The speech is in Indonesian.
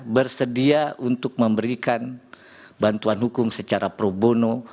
bersedia untuk memberikan bantuan hukum secara probono